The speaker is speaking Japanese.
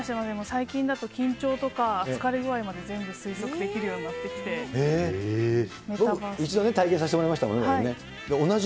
最近だと緊張とか、疲れ具合まで全部推測できるようになってきて、一度だけ、体験させてもらいましたもんね、僕ね。